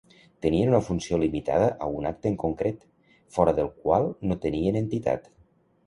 Tenien una funció limitada a un acte en concret, fora del qual no tenien entitat.